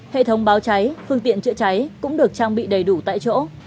hệ thống báo cháy phương tiện chữa cháy cũng được trang bị đầy đủ tại chỗ